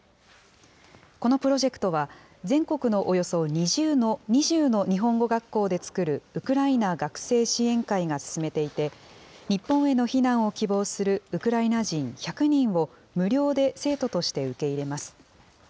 このプロジェクトは、全国のおよそ２０の日本語学校で作るウクライナ学生支援会が進めていて、日本への避難を希望するウクライナ人１００人を、無料で生徒として受け入れます。